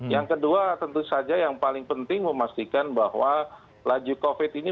yang kedua tentu saja yang paling penting memastikan bahwa laju covid ini